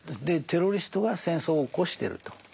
でテロリストが戦争を起こしてると。